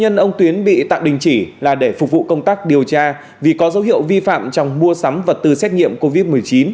đơn vị tạm đình chỉ là để phục vụ công tác điều tra vì có dấu hiệu vi phạm trong mua sắm vật tư xét nghiệm covid một mươi chín